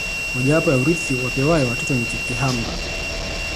Mojawapo ya urithi wapewayo watoto ni kihamba